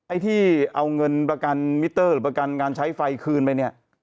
ไอ้ที่เอาเงินประกันมิตเตอร์ประกันการใช้ไฟคืนไป